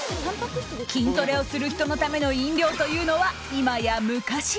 筋トレをする人のための飲料というのは今や昔。